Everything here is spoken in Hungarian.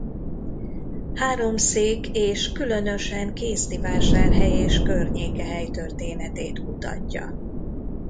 Háromszék és különösen Kézdivásárhely és környéke helytörténetét kutatja.